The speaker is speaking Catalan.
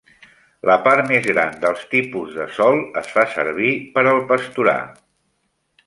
La part més gran dels tipus de sòl es fa servir per al pasturar.